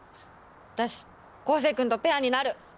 私昴生君とペアになる！